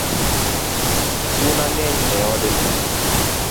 Suna ngeny e od ni